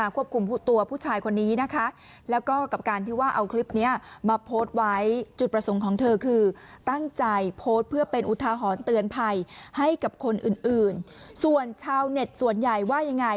คุณผู้หญิงที่เป็นเจ้าของบ้าน